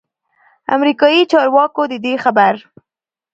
امریکايي چارواکو ددې خبر